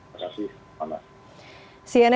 terima kasih pana